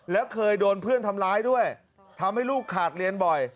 แล้วเคยโดนเพื่อนทำร้ายด้วยทำให้ลูกขาดเรียนบ่อย